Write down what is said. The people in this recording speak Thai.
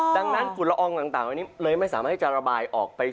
ดังนั้นฝุ่นละอองต่างวันนี้เลยไม่สามารถให้จะระบายออกไป